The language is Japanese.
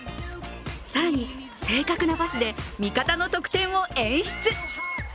更に正確なパスで味方の得点を演出。